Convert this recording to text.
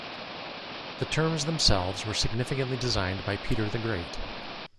The terms themselves were significantly designed by Peter the Great.